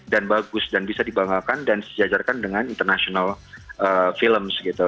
dan bagus dan bisa dibanggakan dan sejajarkan dengan international film gitu